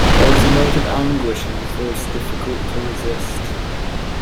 There was a note of anguish in his voice difficult to resist.